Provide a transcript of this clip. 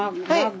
はい。